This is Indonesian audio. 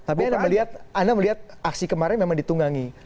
tapi anda melihat aksi kemarin memang ditunggangi